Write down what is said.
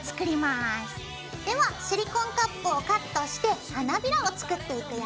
ではシリコンカップをカットして花びらを作っていくよ。